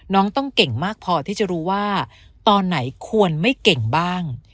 น้องต้องเก่งมากพอที่จะรู้ว่าตอนไหนควรไม่เก่งบ้าง